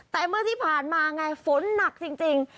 แต่เมื่อที่ผ่านมาไงฝนหนักจริง